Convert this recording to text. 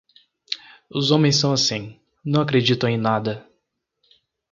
Os homens são assim; não acreditam em nada.